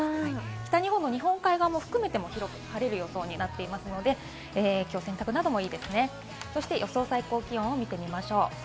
北日本の日本海側も含めても広く晴れる予想になっていますので、洗濯なども良さそうですね、予想最高気温を見ていきましょう。